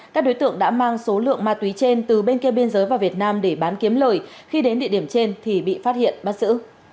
các đối tượng đã mang số lượng ma túy trên từ bên kia biên giới vào việt nam để bán kiếm lời khi đến địa điểm trên thì bị phát hiện bắt giữ